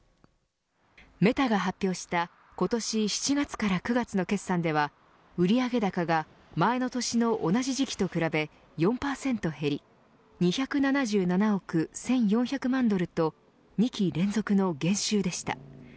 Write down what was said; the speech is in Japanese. メタが発表した今年７月から９月の決算では売り上げ高が前の年の同じ時期と比べ４％減り２７７億１４００万ドルと２期連続の減収でした。